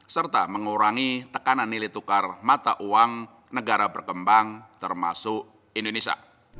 serta mengurangi tekanan nilai tukar mata uang negara berkembang termasuk indonesia